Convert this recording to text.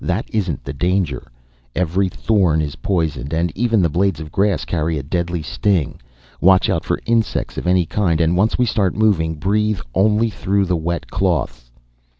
That isn't the danger. Every thorn is poisoned, and even the blades of grass carry a deadly sting. Watch out for insects of any kind and once we start moving breathe only through the wet cloths."